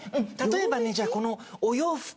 例えばねじゃこのお洋服。